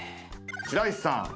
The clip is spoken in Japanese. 白石さん